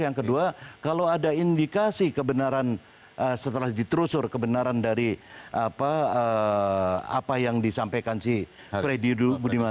yang kedua kalau ada indikasi kebenaran setelah diterusur kebenaran dari apa yang disampaikan si freddy budiman